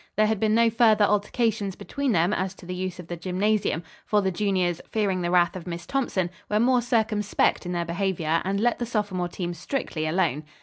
There had been no further altercations between them as to the use of the gymnasium, for the juniors, fearing the wrath of Miss Thompson, were more circumspect in their behavior, and let the sophomore team strictly alone.